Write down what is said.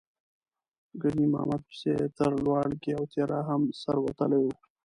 ګنې امامت پسې یې تر لواړګي او تیرا هم سر وتلی و.